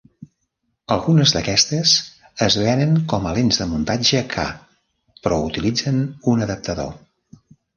Algunes d'aquestes es venen com a lents de muntatge K, però utilitzen un adaptador.